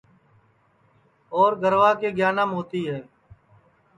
اور گَروا کے گیاناپ ہوتی ہے